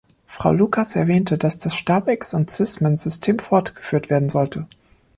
Frau Lucas erwähnte, dass das Stabex- und Sysmin-System fortgeführt werden sollte.